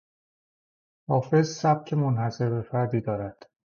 حافظ سبک منحصر بفردی دارد.